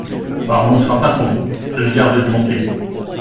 Par mon saint patron ! je n’ai garde d’y manquer.